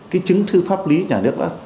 cái chứng thư pháp lý nhà nước đó